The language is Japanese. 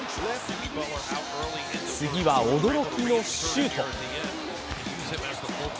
次は驚きのシュート。